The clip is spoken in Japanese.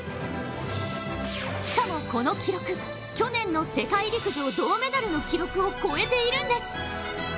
しかも、この記録去年の世界陸上銅メダルの記録を超えているんです。